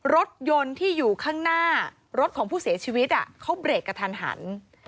รถยนต์ที่อยู่ข้างหน้ารถของผู้เสียชีวิตเขาเบรกกระทันหัน